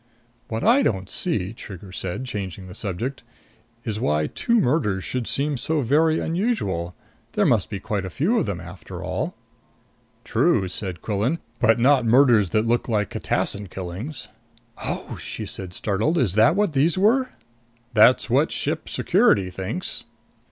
"What I don't see," Trigger said, changing the subject, "is why two murders should seem so very unusual. There must be quite a few of them, after all." "True," said Quillan. "But not murders that look like catassin killings." "Oh!" she said startled. "Is that what these were?" "That's what Ship Security thinks."